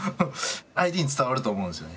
相手に伝わると思うんですよね。